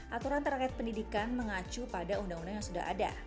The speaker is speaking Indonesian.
aturan terkait pendidikan mengacu pada undang undang yang sudah ada